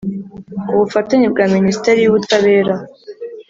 Ku bufatanye bwa Ministeri y Ubutabera